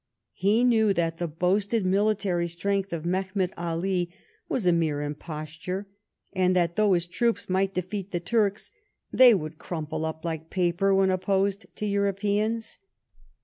He knew that the boasted military strength of Mehemet AH was a mere impos ture, and that though his troops might defeat the Turks, they would crumple up like paper when opposed to Europeans.